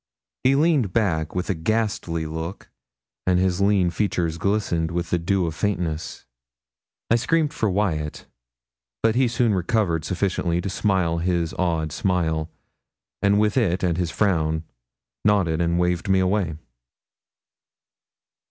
He leaned back with a ghastly look, and his lean features glistened with the dew of faintness. I screamed for Wyat. But he soon recovered sufficiently to smile his odd smile, and with it and his frown, nodded and waved me away.